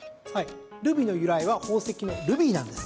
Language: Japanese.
ルビの由来は宝石のルビーなんです。